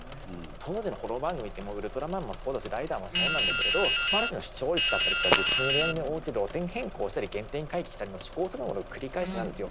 当時の子ども番組って「ウルトラマン」もそうだしライダーもそうなんだけれどある種の視聴率だったりグッズの売り上げに応じて路線変更したり原点回帰したりの試行錯誤の繰り返しなんですよ。